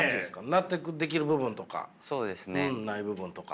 納得できる部分とかない部分とか。